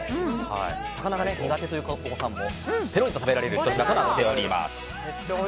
魚が苦手というお子さんもぺろりと食べられるものになっております。